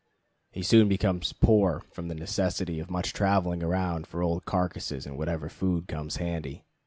He soon becomes poor from the necessity of much traveling around for old carcasses and whatever food comes handy.